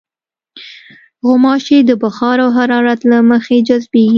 غوماشې د بخار او حرارت له مخې جذبېږي.